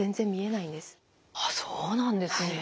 ああそうなんですね。